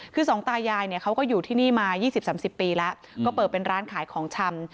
คือสองตายายเนี่ยเขาก็อยู่ที่นี่มา๒๐๓๐ปีแล้วก็เปิดเป็นร้านขายของชำ